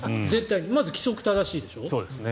まず規則正しいでしょ。